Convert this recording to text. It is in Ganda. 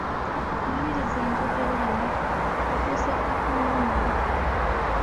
Maliriza enjogera eno: Ofuuse kagongomale…